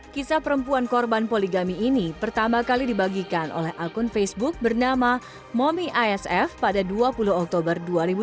kisah perempuan korban poligami ini pertama kali dibagikan oleh akun facebook bernama momi isf pada dua puluh oktober dua ribu dua puluh